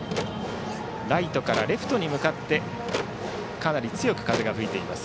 ライトからレフトに向かってかなり強く風が吹いています。